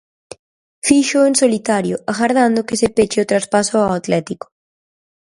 Fíxoo en solitario agardando que se peche o traspaso ao Atlético.